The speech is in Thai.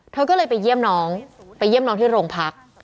เธอก็เลยไปเยี่ยมน้องไปเยี่ยมน้องที่โรงพัก